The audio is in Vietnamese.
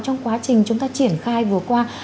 trong quá trình chúng ta triển khai vừa qua